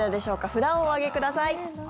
札をお上げください。